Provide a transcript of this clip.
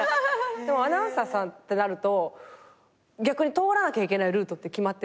でもアナウンサーさんってなると逆に通らなきゃいけないルートって決まってる。